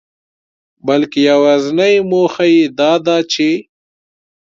بلکي يوازنۍ موخه يې داده چي